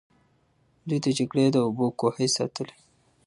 دوی د جګړې د اوبو کوهي ساتلې.